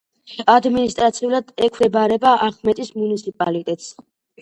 ადმინისტრაციულად ექვემდებარება ახმეტის მუნიციპალიტეტს.